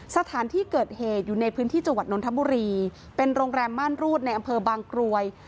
สถานที่เกิดเหตุอยู่ในพื้นที่จังหวัดนนทบุรีเป็นโรงแรมม่านรูดในอำเภอบางกรวย